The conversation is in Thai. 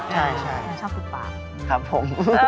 ใช่ชอบดูปากครับผม